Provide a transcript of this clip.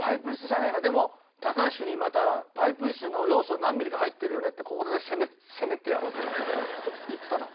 でも高橋にまたパイプ椅子の要素何ミリか入ってるよねってここで攻めてやろうと思っていったの。